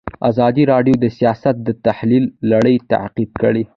ازادي راډیو د سیاست د تحول لړۍ تعقیب کړې.